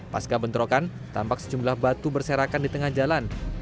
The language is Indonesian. pasca bentrokan tampak sejumlah batu berserakan di tengah jalan